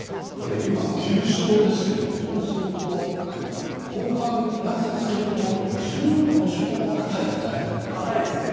今９勝ですけどそうすると、後半プラスすると１５勝は固いですね。